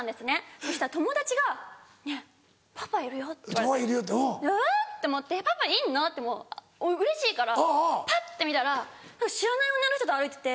そしたら友達が「ねぇパパいるよ」って言われて「えぇ⁉パパいんの⁉」ってうれしいからパッて見たら知らない女の人と歩いてて。